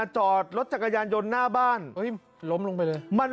ทรายไป